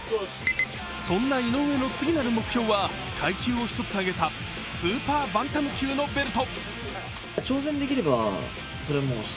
そんな井上の次なる目標は階級を１つ上げたスーパーバンタム級のベルト。